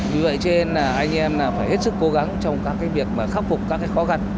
vì vậy cho nên là anh em là phải hết sức cố gắng trong các cái việc mà khắc phục các cái khó khăn